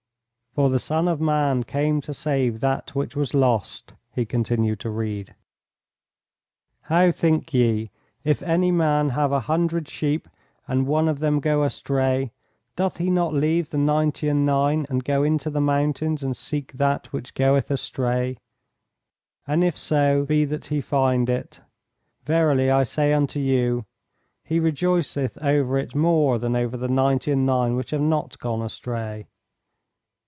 "For the Son of Man came to save that which was lost," he continued to read. "How think ye? If any man have a hundred sheep and one of them go astray, doth he not leave the ninety and nine and go into the mountains and seek that which goeth astray? And if so be that he find it, verily I say unto you, he rejoiceth over it more than over the ninety and nine which have not gone astray.